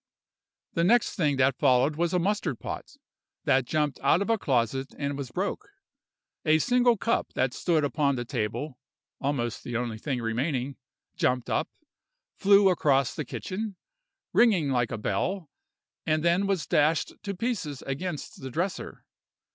"The next thing that followed was a mustard pot, that jumped out of a closet and was broke. A single cup that stood upon the table (almost the only thing remaining) jumped up, flew across the kitchen, ringing like a bell, and then was dashed to pieces against the dresser.